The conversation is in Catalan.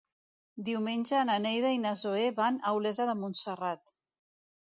Diumenge na Neida i na Zoè van a Olesa de Montserrat.